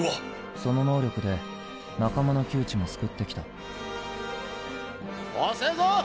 その能力で仲間の窮地も救ってきたおせえぞ！